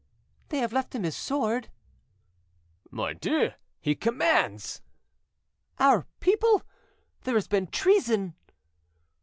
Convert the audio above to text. "They have left him his sword." "Mordieu! he commands." "Our people! There has been treason."